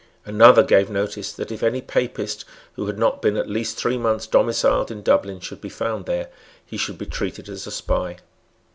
Another gave notice that, if any Papist who had not been at least three months domiciled in Dublin should be found there, he should be treated as a spy.